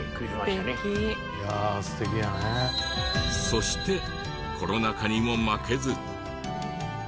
そしてコロナ禍にも負けず。